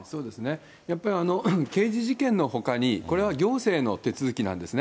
やっぱり刑事事件のほかに、これは行政の手続きなんですね。